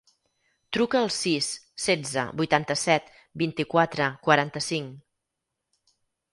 Truca al sis, setze, vuitanta-set, vint-i-quatre, quaranta-cinc.